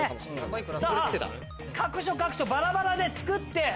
さぁ各所各所バラバラで作って。